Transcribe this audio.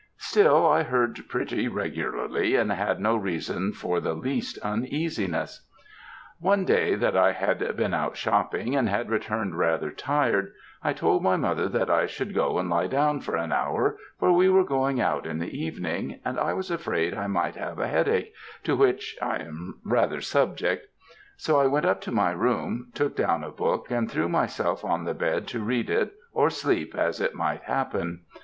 Still I heard pretty regularly, and had no reason for the least uneasiness. "One day that I had been out shopping, and had returned rather tired, I told my mother that I should go and lie down for an hour, for we were going out in the evening, and I was afraid I might have a head ache, to which I am rather subject; so I went up to my room, took down a book and threw myself on the bed to read or sleep as it might happen.